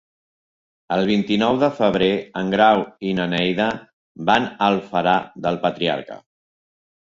El vint-i-nou de febrer en Grau i na Neida van a Alfara del Patriarca.